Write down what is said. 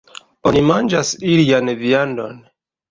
Oni manĝas ilian viandon.